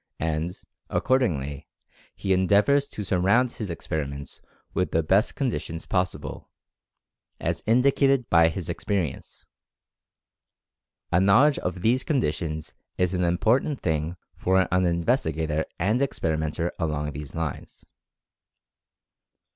And, accordingly, he endeavors to sur round his experiments with the best conditions possi ble, as indicated by his experience. A knowledge of these conditions is an important thing for an investi gator and experimenter along these lines.